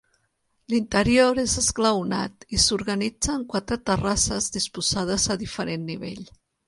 L'interior és esglaonat i s'organitza en quatre terrasses disposades a diferent nivell.